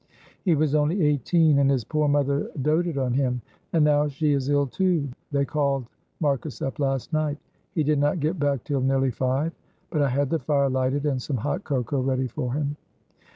"He was only eighteen and his poor mother doated on him, and now she is ill too. They called Marcus up last night; he did not get back till nearly five, but I had the fire lighted and some hot cocoa ready for him.